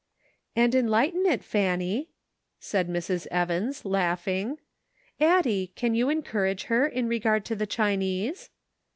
"And enlighten it, Fanny," said Mrs. Evans, laughing. "Addie, can you encourage her in regard to the Chinese